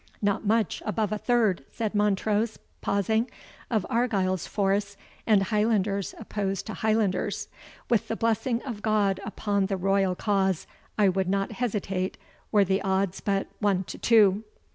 "Not much above a third," said Montrose, pausing, "of Argyle's force, and Highlanders opposed to Highlanders. With the blessing of God upon the royal cause, I would not hesitate were the odds but one to two."